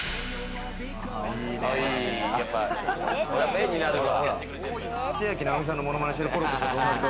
絵になるわ。